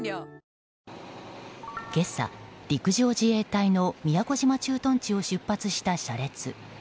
今朝、陸上自衛隊の宮古島駐屯地を出発した車列。